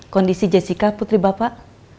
kondisi jessica putri bapak